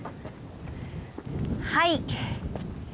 はい。